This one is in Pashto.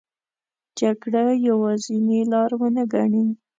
جګړه یوازینې لار ونه ګڼي.